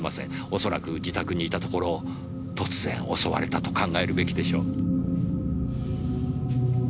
恐らく自宅にいたところを突然襲われたと考えるべきでしょう。